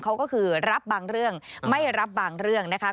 เขาก็คือรับบางเรื่องไม่รับบางเรื่องนะคะ